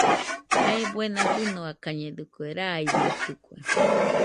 Jae buena fɨnoakañedɨkue, rairuitɨkue.